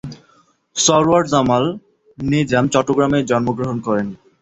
সরওয়ার জামাল নিজাম চট্টগ্রামে জন্মগ্রহণ করেন।